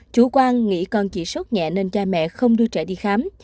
chủ quan nghĩ con chỉ sốt nhẹ nên cha mẹ không đưa trẻ đi khám